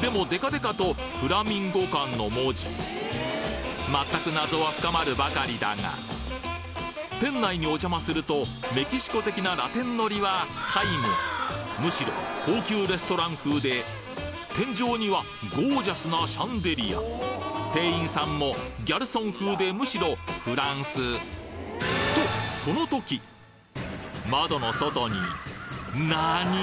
でもデカデカとフラミンゴ舘の文字全く謎は深まるばかりだが店内にお邪魔するとメキシコ的なラテンノリは皆無むしろ高級レストラン風で天井にはゴージャスなシャンデリア店員さんもギャルソン風でむしろフランス窓の外になに！？